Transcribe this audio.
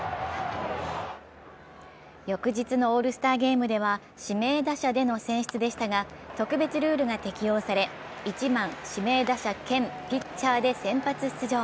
翌日のオールスターゲームでは指名打者での選出でしたが特別ルールが適用され、１番・指名打者兼ピッチャーで先発出場。